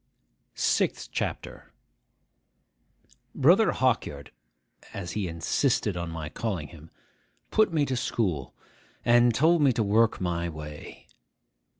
SIXTH CHAPTER BROTHER HAWKYARD (as he insisted on my calling him) put me to school, and told me to work my way.